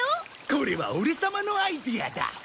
これはオレ様のアイデアだ！